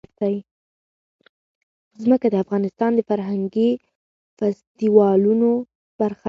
ځمکه د افغانستان د فرهنګي فستیوالونو برخه ده.